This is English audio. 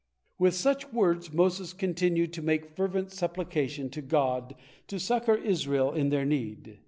With such words Moses continued to make fervent supplication to God to succor Israel in their need.